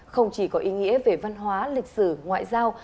không chỉ có ý nghĩa về văn hóa lịch sử ngoại giao